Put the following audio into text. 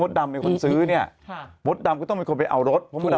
เขาเขียนว่าอำนาจหรือเปล่า